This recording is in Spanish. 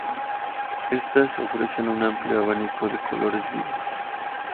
Estas ofrecen un amplio abanico de colores vivos.